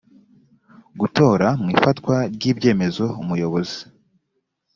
gutora mu ifatwa ry ibyemezo umuyobozi